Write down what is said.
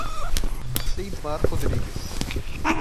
Ceidmar Rodrigues